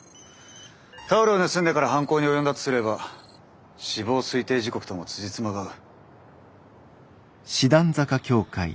タオルを盗んでから犯行に及んだとすれば死亡推定時刻ともつじつまが合う。